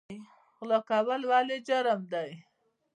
غلا کول ولې جرم دی؟